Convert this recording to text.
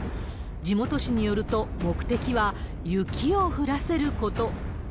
地元紙によると、目的は雪を降らせること。